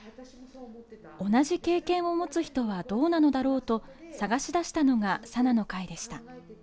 同じ経験を持つ人はどうなのだろうと探し出したのがＳａｎａの会でした。